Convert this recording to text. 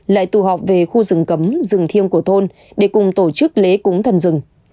lại tụ họp về khu rừng cấm rừng thiêng của thôn để cùng tổ chức lễ cúng thần rừng